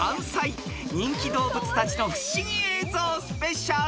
［人気動物たちの不思議映像ＳＰ］